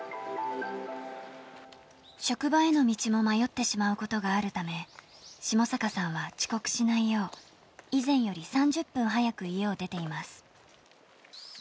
職場への道も迷ってしまうことがあるため、下坂さんは遅刻しないよう、以前より３０分早く家を出ています。